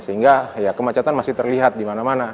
sehingga kemacetan masih terlihat di mana mana